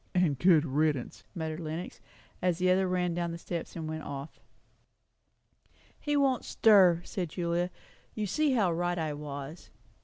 "And a good riddance," muttered Lenox, as the other ran down the steps and went off. "He won't stir," said Julia. "You see how right I was."